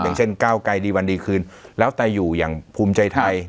อย่างเช่นก้าวไกรดีวันดีคืนแล้วแต่อยู่อย่างภูมิใจไทย